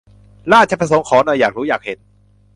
ราชประสงค์ขอ หน่อย อยากรู้อยากเห็น